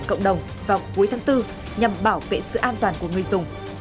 tiêu chuẩn cộng đồng vào cuối tháng bốn nhằm bảo vệ sự an toàn của người dùng